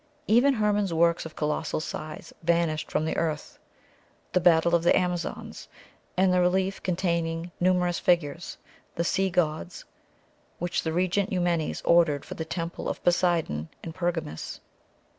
Even Hermon's works of colossal size vanished from the earth: the Battle of the Amazons and the relief containing numerous figures: the Sea Gods, which the Regent Eumenes ordered for the Temple of Poseidon in Pergamus.